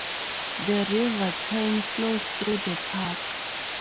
The River Tyne flows through the park.